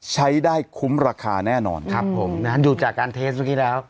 ใช้ได้คุ้มราคาแน่นอนครับผมนะฮะดูจากการเทสเมื่อกี้แล้ว